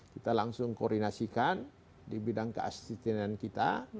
kita langsung koordinasikan di bidang keaslian kita